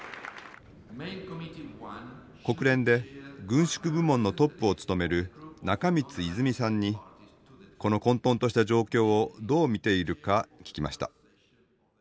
国連で軍縮部門のトップを務める中満泉さんにこの混とんとした状況をどう見ているか聞きました。